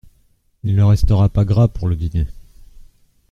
Il ne restera pas gras pour le dîner.